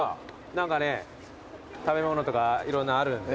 何かね食べ物とかいろんなあるんで。